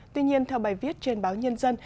tuy nhiên theo bài viết trên báo nhân dân